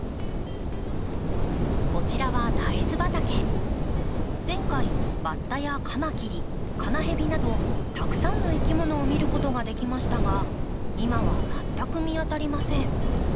こちらは前回バッタやカマキリカナヘビなどたくさんのいきものを見ることができましたが今は全く見当たりません。